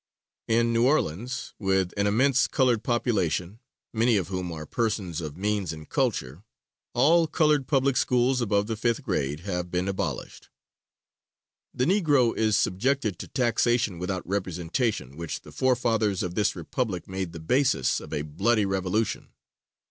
In New Orleans, with an immense colored population, many of whom are persons of means and culture, all colored public schools above the fifth grade have been abolished. The Negro is subjected to taxation without representation, which the forefathers of this Republic made the basis of a bloody revolution.